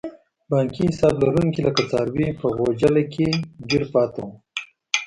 بانکي حساب لرونکي لکه څاروي په غوچله کې ګیر پاتې وو.